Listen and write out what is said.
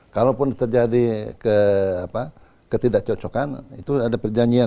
kalaupun terjadi ketidak cocokan itu ada perjanjian